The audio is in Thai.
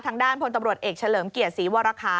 ทางด้านพลตำรวจเอกเฉลิมเกียรติศรีวรคา